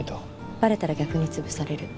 バレたら逆に潰される。